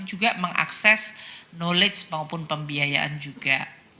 juga mengakses knowledge maupun pembiayaan juga